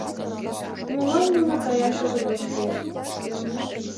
Молан нуно каяш огыт вашке?..»